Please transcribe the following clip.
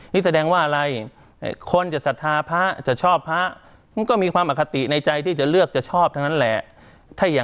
นี่แสดงว่าอะไรคนจะศรัทธาพระจะชอบพระมันก็มีความอคติในใจที่จะเลือกจะชอบทั้งนั้นแหละ